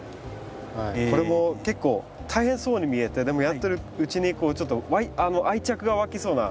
これも結構大変そうに見えてでもやってるうちにこうちょっと愛着がわきそうな感じがしますね。